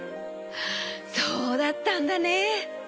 そうだったんだね。